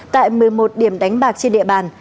tại một mươi một điểm đánh bạc trên địa bàn